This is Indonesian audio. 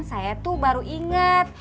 saya tuh baru inget